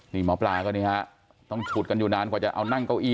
นี่หมอปลาก็นี่ฮะต้องฉุดกันอยู่นานกว่าจะเอานั่งเก้าอี